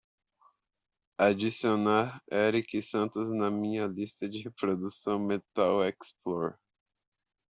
adicionar erik santos na minha lista de reprodução Metal Xplorer